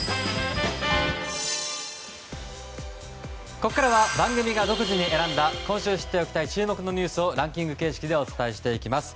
ここからは番組が独自に選んだ今週知っておきたい注目のニュースをランキング形式でお伝えします。